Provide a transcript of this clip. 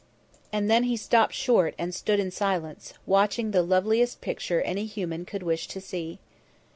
And then he stopped short and stood in silence, watching the loveliest picture any human could wish to see.